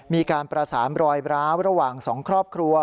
มีการประสานรอยร้าวระหว่าง๒ครอบครัว